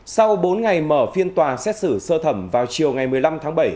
sau bốn ngày mở phiên tòa xét xử sơ thẩm vào chiều ngày một mươi năm tháng bảy